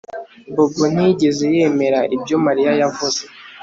Bobo ntiyigeze yemera ibyo Mariya yavuze